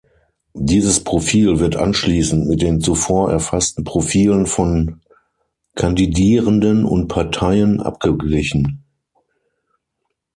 Dieses Profil wird anschliessend mit den zuvor erfassten Profilen von Kandidierenden und Parteien abgeglichen.